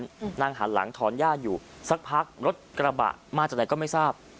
อืมนั่งหันหลังถอนหญ้าอยู่สักพักรถกระบะมาจากไหนก็ไม่ทราบ